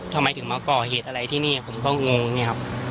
ทำไมถึงมาก่อเหตุอะไรที่นี่ผมก็งงอย่างนี้ครับ